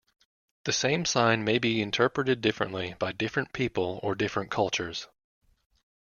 The same sign may be interpreted differently by different people or different cultures.